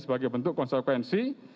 sebagai bentuk konsekuensi